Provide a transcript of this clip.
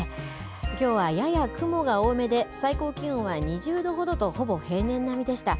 きょうはやや雲が多めで、最高気温は２０度ほどと、ほぼ平年並みでした。